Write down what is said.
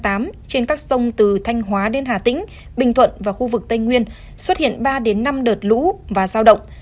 trên các sông từ thanh hóa đến hà tĩnh bình thuận và khu vực tây nguyên xuất hiện ba năm đợt lũ và giao động